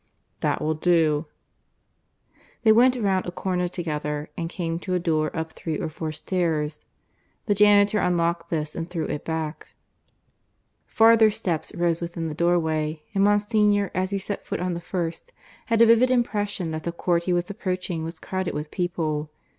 "That will do." They went round a corner together and came to a door up three or four stairs. The janitor unlocked this and threw it back. Farther steps rose within the doorway, and Monsignor as he set foot on the first had a vivid impression that the court he was approaching was crowded with people.